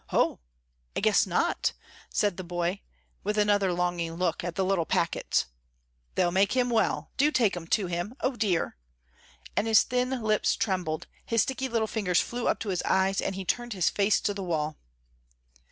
"Hoh! I guess not," said the boy, with another longing look at the little packets; "they'll make him well, do take 'em to him. O dear!" and his thin lips trembled, his sticky little fingers flew up to his eyes, and he turned his face to the wall.